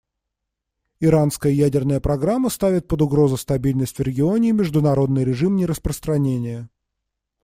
Иранская ядерная программа ставит под угрозу стабильность в регионе и международный режим нераспространения.